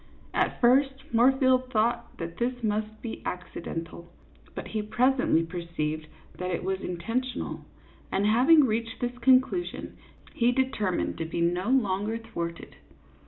At first, Moorfield thought that this must be accidental, but he presently perceived that it was intentional ; and having reached this conclusion, he determined to be no longer thwarted.